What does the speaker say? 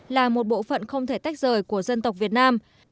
là một bộ phận không thể tách rời của dân tộc việt nam